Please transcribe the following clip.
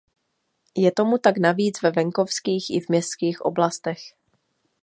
Je tomu tak navíc ve venkovských i v městských oblastech.